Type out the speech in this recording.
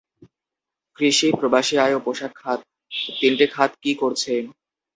কৃষি, প্রবাসী আয় ও পোশাক খাত তিনটি খাত কি করছে?